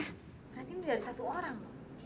berarti ini dari satu orang